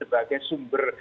sebagai sumber moral etik